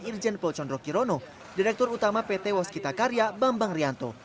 irjen polcondro kirono direktur utama pt waskita karya bambang rianto